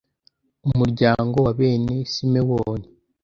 umuryango wa bene simewoni